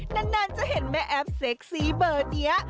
นานจะเห็นแม่แอฟเซ็กซี่เบอร์นี้